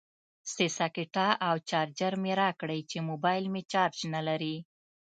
سه ساکټه او چارجر مې راکړئ چې موبایل مې چارج نلري